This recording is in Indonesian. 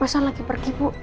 mas al lagi pergi bu